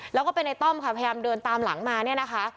แล้วก็เป็นในต้อมค่ะพยายามเดินตามหลังมาเนี่ยนะคะ